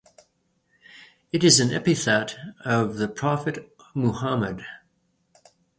It is an epithet of the prophet Muhammad.